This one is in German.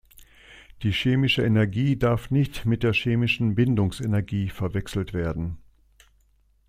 Die chemische Energie darf nicht mit der chemischen Bindungsenergie verwechselt werden.